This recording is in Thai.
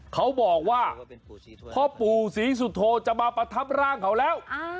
เขาบอกว่าพ่อปู่ศรีสุโธจะมาประทับร่างเขาแล้ว